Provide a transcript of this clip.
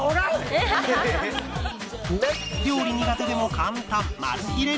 料理苦手でも簡単マル秘レシピ